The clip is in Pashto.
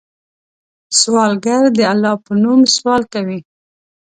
سوالګر د الله په نوم سوال کوي